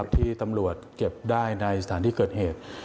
ที่ตำรวจเก็บได้ในสถานที่เกิดเหตุ